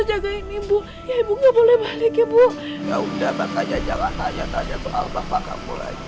jagain ibu ibu nggak boleh balik ibu ya udah makanya jangan tanya tanya ke albapak kamu lagi